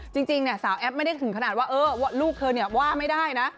จริงสาวแอปไม่ได้ถึงขนาดว่าลูกเธอเนี่ยว่าไม่ได้นะ